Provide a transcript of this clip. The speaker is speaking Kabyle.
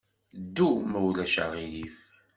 Ddu, ma ulac aɣilif!